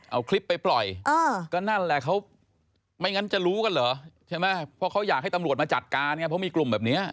เอาคลิปไปปล่อยก็นั่นแหละเขาไม่งั้นจะรู้กันเหรอใช่ไหมเพราะเขาอยากให้ตำรวจมาจัดการไงเพราะมีกลุ่มแบบนี้